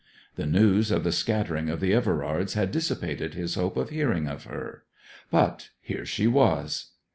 The news of the scattering of the Everards had dissipated his hope of hearing of her; but here she was.